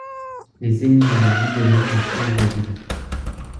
- Les émigrés gibelins assiègent la ville.